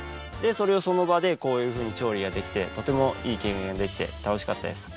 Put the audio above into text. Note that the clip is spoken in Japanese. それをその場でこういうふうに調理ができてとてもいい経験ができて楽しかったです。